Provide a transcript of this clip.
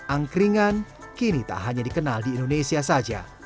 angkringan kini tak hanya dikenal di indonesia saja